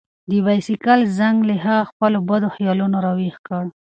د بایسکل زنګ هغه له خپلو بدو خیالونو راویښ کړ.